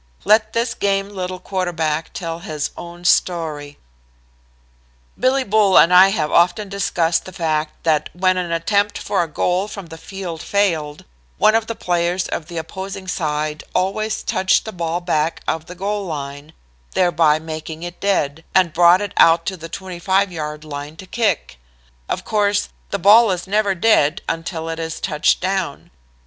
Let this game little quarterback tell his own story: "Billy Bull and I have often discussed the fact that when an attempt for a goal from the field failed, one of the players of the opposing side always touched the ball back of the goal line (thereby making it dead), and brought it out to the 25 yard line to kick. Of course, the ball is never dead until it is touched down.